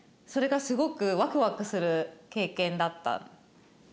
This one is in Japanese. それがすごくワクワクする経験だった。